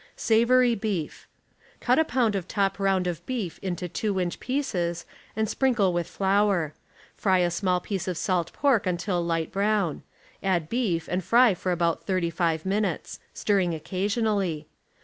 14 SAVORY 15EF 1'" — Cut a i)ound of top round of beef into two inch pieces and sprinkle with flour; fry a small piece of salt pork until light brown ; add beef and fry for about 35 minutes, stirring occasionally.